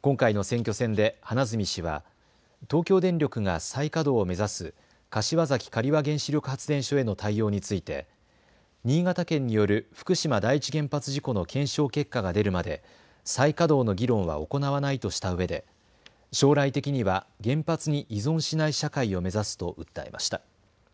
今回の選挙戦で花角氏は東京電力が再稼働を目指す柏崎刈羽原子力発電所への対応について新潟県による福島第一原発事故の検証結果が出るまで再稼働の議論は行わないとしたうえで将来的には原発に依存しない社会を目指すと訴えました。